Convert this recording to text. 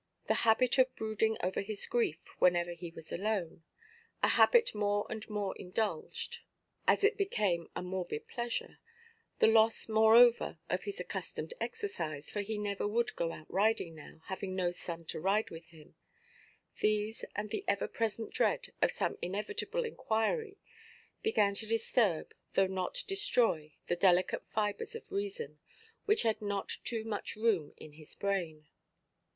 The habit of brooding over his grief, whenever he was alone—a habit more and more indulged, as it became a morbid pleasure—the loss moreover of his accustomed exercise, for he never would go out riding now, having no son to ride with him; these, and the ever–present dread of some inevitable inquiry, began to disturb, though not destroy, the delicate fibres of reason, which had not too much room in his brain.